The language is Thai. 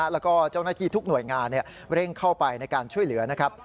แล้วก็เจ้าหน้าที่ทุกหน่วยงานเร่งเข้าไปในการช่วยเหลือนะครับ